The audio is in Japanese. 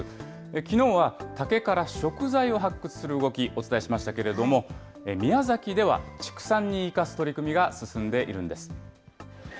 きのうは竹から食材を発掘する動き、お伝えしましたけれども、宮崎では、畜産に生かす取り組みが進んでいるんです。